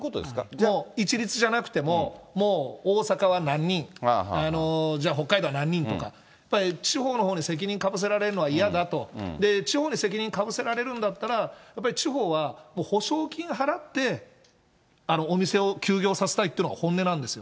もう一律じゃなくても、もう大阪は何人、じゃあ、北海道は何人とか、地方のほうに責任かぶせられるのは嫌だと、地方に責任かぶせられるんだったら、やっぱり地方は補償金払って、お店を休業させたいというのが本音なんですよ。